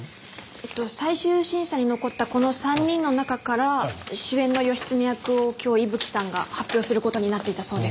えっと最終審査に残ったこの３人の中から主演の義経役を今日伊吹さんが発表する事になっていたそうです。